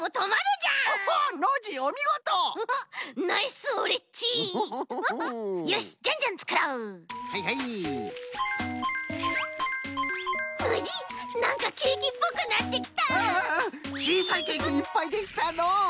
ちいさいケーキいっぱいできたのう！